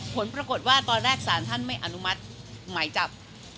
ผลปรากฏว่าตอนแรกสารท่านไม่อนุมัติหมายจับ